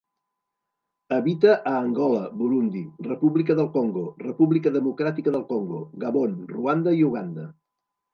Habita a Angola, Burundi, República del Congo, República Democràtica del Congo, Gabon, Ruanda i Uganda.